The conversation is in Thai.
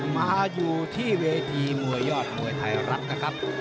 มาอยู่ที่เวทีมวยยอดมวยไทยรัฐนะครับ